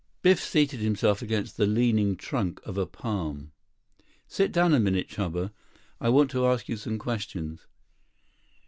Biff seated himself against the leaning trunk of a palm. "Sit down a minute, Chuba. I want to ask you some questions."